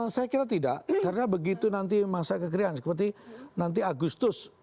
saya kira tidak karena begitu nanti masa kekerian seperti nanti agustus